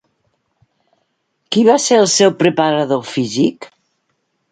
Qui va ser el seu preparador físic?